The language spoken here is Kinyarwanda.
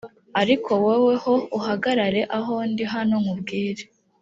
ariko wowe ho uhagarare aho ndi hano nkubwire